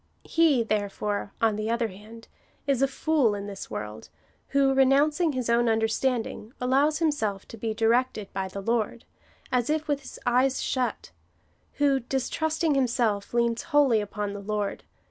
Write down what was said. ^ He, there fore, on the other hand, is a fool in this world, who, renouncing his own understanding, allows himself to be directed by the Lord, as if with his eyes shut — who, dis trusting himself, leans wholly upon the Lord, places his 1 " Trop facilement ;"—" Too readily."